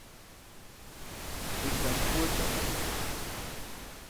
hik ḍam phu etam